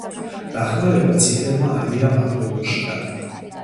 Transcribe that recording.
დახმარება წითელმა არმიამ აღმოუჩინა.